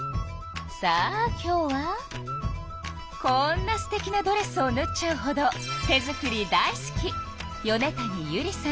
さあ今日はこんなすてきなドレスをぬっちゃうほど手作り大好き。